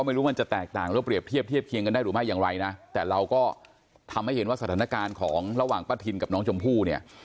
ไม่รู้มันจะแตกต่างหรือเปรียบเทียบเทียบเคียงกันได้หรือไม่อย่างไรนะแต่เราก็ทำให้เห็นว่าสถานการณ์ของระหว่างป้าทินกับน้องชมพู่เนี่ย